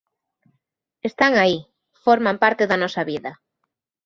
Están aí, forman parte da nosa vida.